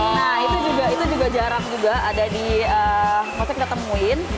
nah itu juga jarang juga ada di maksudnya kita temuin